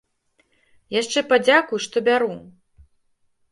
Яшчэ падзякуй, што бяру!